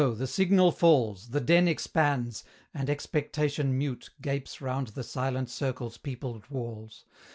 the signal falls, The den expands, and expectation mute Gapes round the silent circle's peopled walls.